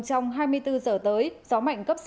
trong hai mươi bốn h tới gió mạnh cấp